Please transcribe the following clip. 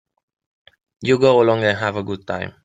You go along and have a good time.